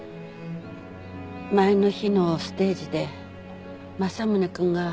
前の日のステージで政宗くんが。